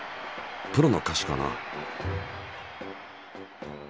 プロの歌手かな？